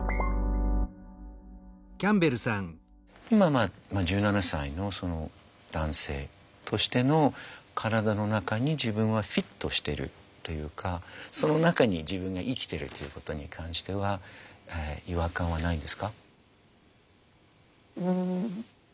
まあまあ１７歳の男性としての体の中に自分はフィットしてるというかその中に自分が生きてるっていうことに関しては違和感はないんですか？